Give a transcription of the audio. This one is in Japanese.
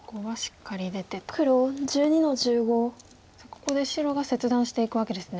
ここで白が切断していくわけですね。